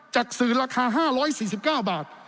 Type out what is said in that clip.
จากสื่อราคา๕๔๙บาท